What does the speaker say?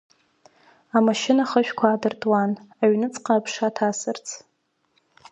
Амашьына ахышәқәа аадыртуан, аҩныҵҟа аԥша ҭасырц.